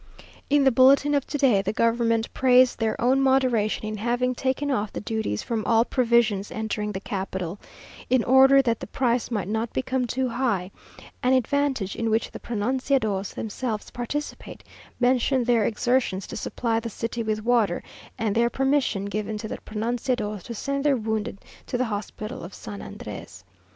In the bulletin of to day, the government praise their own moderation in having taken off the duties from all provisions entering the capital, in order that the price might not become too high, an advantage in which the pronunciados themselves participate mention their exertions to supply the city with water, and their permission given to the pronunciados to send their wounded to the hospital of San Andrés.